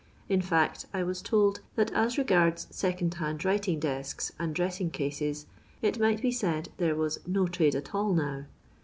In fiict I was told that OS regards second band writing desks and dressing cases, it might be said there was <<no trade at all now."